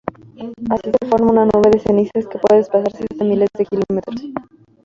Así se forma una nube de cenizas que puede desplazarse hasta miles de kilómetros.